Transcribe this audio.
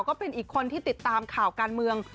ก็เป็นอีกคนที่ติดตามข่าวการเมือง